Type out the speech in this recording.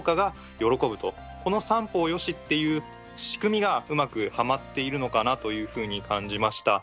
この三方よしっていう仕組みがうまくはまっているのかなというふうに感じました。